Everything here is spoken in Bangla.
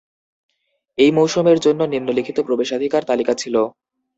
এই মৌসুমের জন্য নিম্নলিখিত প্রবেশাধিকার তালিকা ছিল।